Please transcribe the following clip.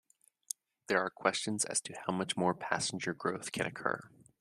There are questions as to how much more passenger growth can occur.